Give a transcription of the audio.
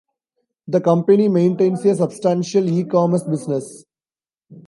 The company maintains a substantial eCommerce business.